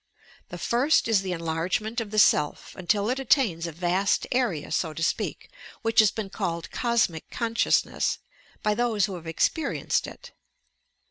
The first is the enlargement of the Self until it attains a vast area, so to speak, which has been called "Cosmic Consciousness," by those who have ex 356 YOUR PSYCHIC POWERS perienced it.